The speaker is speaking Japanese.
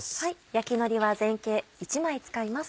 焼きのりは全形１枚使います。